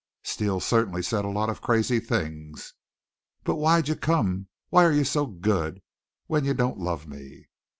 Steele certainly said a lot of crazy things. "But why'd you come why're you so good when you don't love me?"